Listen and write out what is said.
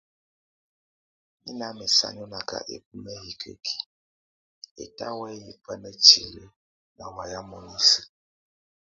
Mɛ nʼ ámɛ saŋonak, ɛ́bʼ o nahikeki, ɛtá wey bá netilé na wayá mon ise.